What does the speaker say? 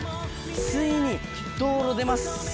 ついに道路出ます。